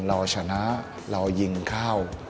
เราชนะเรายิงเข้า